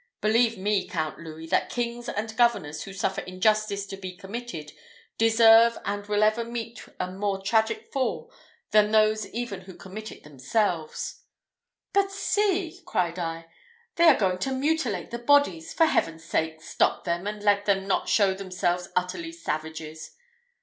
Believe me, Count Louis, that kings and governors, who suffer injustice to be committed, deserve and will ever meet a more tragic fall than those even who commit it themselves." "But see," cried I, "they are going to mutilate the bodies; for Heaven's sake, stop them, and let them not show themselves utterly savages."